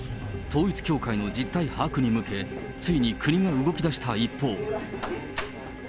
統一教会の実態把握に向け、ついに国が動き出した一方。